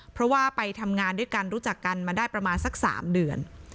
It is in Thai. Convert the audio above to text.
เพราะว่าไปทำงานด้วยกันรู้จักกันมาได้ประมาณสัก๓เดือน